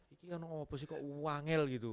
ini kan obosi kok wangel gitu